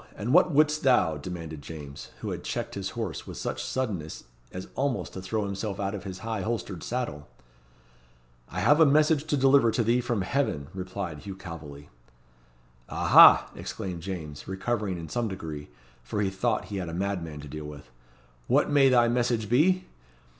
and what wouldst thou?" demanded James, who had checked his horse with such suddenness as almost to throw himself out of his high holstered saddle. "I have a message to deliver to thee from Heaven," replied Hugh Calveley. "Aha!" exclaimed James, recovering in some degree, for he thought he had a madman to deal with. "What may thy message be?"